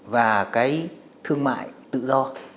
và cái thương mại tự do